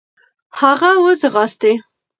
هغه و ځغاستی .